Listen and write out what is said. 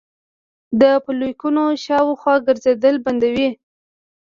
د فولیکونو شاوخوا ګرځیدل بندوي